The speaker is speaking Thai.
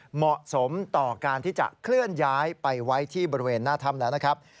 เหมาะสมต่อการที่จะเคลื่อนย้ายไปไว้ที่บริเวณหน้าถ้ำแล้วนะครับ